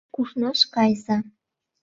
Кушнаш кайыза!